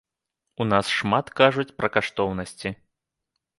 У нас шмат кажуць пра каштоўнасці.